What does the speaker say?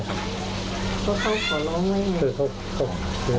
ก็เขาขอร้องให้มี